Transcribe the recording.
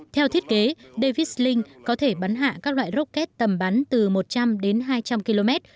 theo thiết kế davis link có thể bắn hạ các loại rocket tầm bắn từ một trăm linh đến hai trăm linh km